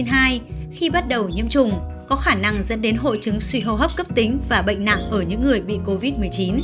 khi bắt đầu nhiễm trùng có khả năng dẫn đến hội chứng suy hô hấp cấp tính và bệnh nặng ở những người bị covid một mươi chín